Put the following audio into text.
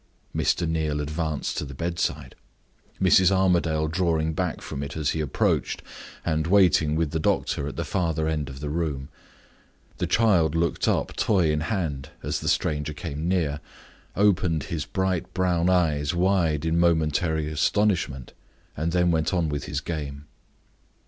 Mr. Neal advanced to the bedside, Mrs. Armadale drawing back from it as he approached, and waiting with the doctor at the further end of the room. The child looked up, toy in hand, as the stranger came near, opened his bright brown eyes in momentary astonishment, and then went on with his game.